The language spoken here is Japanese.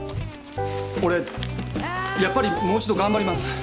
俺やっぱりもう一度頑張ります。